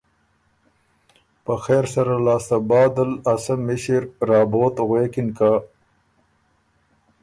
په خېرسره لاسته بعد ل ا سۀ مِݭِر که رابوت غوېکِن که: